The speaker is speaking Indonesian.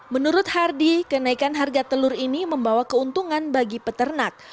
menurut hardi kenaikan harga telur ini membawa keuntungan bagi peternak